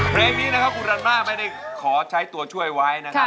เพลงนี้นะครับคุณรันน่าไม่ได้ขอใช้ตัวช่วยไว้นะครับ